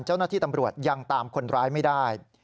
เจ้าหน้าที่ตำรวจยังตามคนร้ายไม่ได้